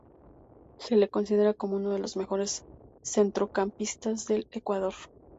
Se lo considera como uno de los mejores centrocampistas del Ecuador.